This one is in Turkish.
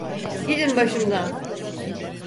Gidin başımdan!